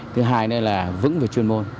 thứ hai nữa là vững về chuyên môn